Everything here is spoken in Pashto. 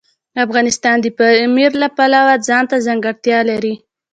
افغانستان د پامیر د پلوه ځانته ځانګړتیا لري.